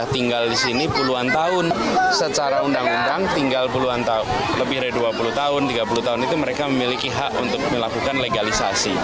tinggal buluan tahun lebih dari dua puluh tahun tiga puluh tahun itu mereka memiliki hak untuk melakukan legalisasi